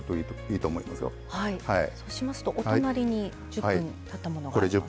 そうしますとお隣に１０分たったものがあります。